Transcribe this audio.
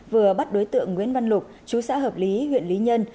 vừa bắt đối tượng nguyễn văn lục chú xã hợp lý huyện lý nhân